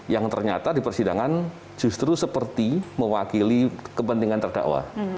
yang ternyata di persidangan justru seperti mewakili kepentingan terdakwa